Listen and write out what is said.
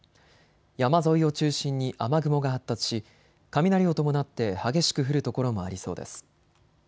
山沿いを中心に雨雲が発達し雷を伴って激しく降る所もありそうです。